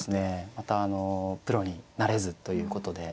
またあのプロになれずということで。